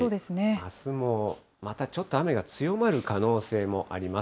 あすもまたちょっと雨が強まる可能性もあります。